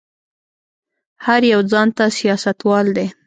هر يو ځان ته سياستوال دی.